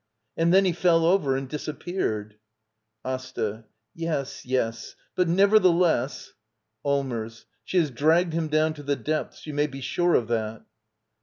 ] And then he fell Qy£r. »4md.,iik appeared. TGtaT Yes, yes. But nevertheless — Allmers. She has dragged him down to the depths — you may be sure of that.